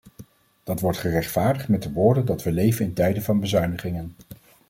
Dat wordt gerechtvaardigd met de woorden dat we leven in tijden van bezuinigingen.